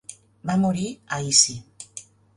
Va morir a Issy.